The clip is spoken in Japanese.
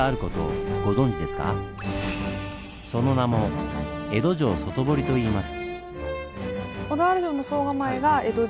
その名も「江戸城外堀」といいます。